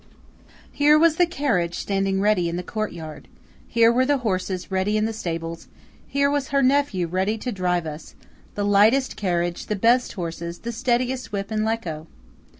Here was the carriage standing ready in the courtyard; here were the horses ready in the stables; here was her nephew ready to drive us–the lightest carriage, the best horses, the steadiest whip in Lecco!